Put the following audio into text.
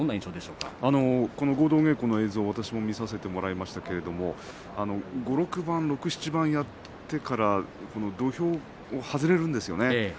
合同稽古の映像を見せてもらいましたけれど６、７番やってから土俵を外れるんですよね。